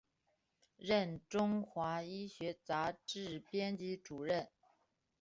任中华医学杂志编辑主任。